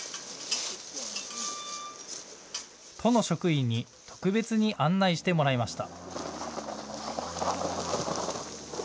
都の職員に特別に案内してもらいました。